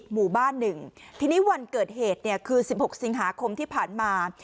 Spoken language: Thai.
หมู่บ้านหนึ่งทีนี้วันเกิดเหตุเนี่ยคือ๑๖สิงหาคมที่ผ่านมา